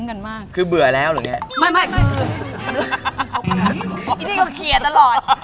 ไอธิก็เขียนตลอด